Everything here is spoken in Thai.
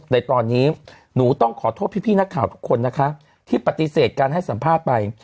ในตอนนี้หนูต้องขอโทษพี่นักข่าวทุกคนนะคะที่ปฏิเสธการให้สัมภาษณ์ไป